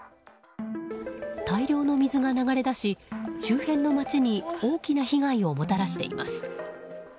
大量の水が流れ出し周辺の街に大きな被害をもたらしています。